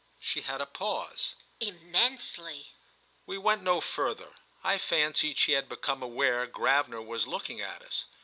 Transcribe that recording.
She had a pause. "Immensely." We went no further; I fancied she had become aware Gravener was looking at us.